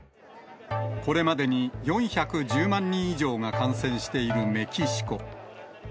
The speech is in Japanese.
これまでに４１０万人以上が感染しているメキシコ。